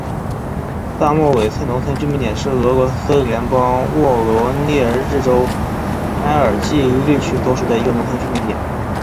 萨莫韦茨农村居民点是俄罗斯联邦沃罗涅日州埃尔季利区所属的一个农村居民点。